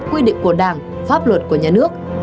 quy định của đảng pháp luật của nhà nước